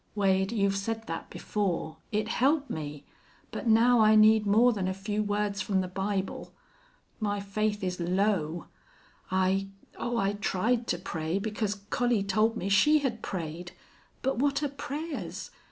"Wade, you've said that before. It helped me. But now I need more than a few words from the Bible. My faith is low. I ... oh, I tried to pray because Collie told me she had prayed! But what are prayers?